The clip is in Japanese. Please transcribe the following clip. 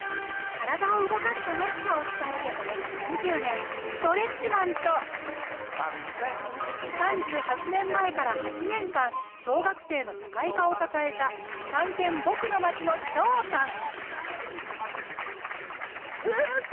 体を動かす楽しさを伝えておよそ３０年ストレッチマンと３８年前から８年間小学生の社会科を支えた「たんけんぼくのまち」のチョーさん！